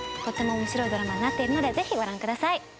とっても面白いドラマになってるのでぜひご覧ください。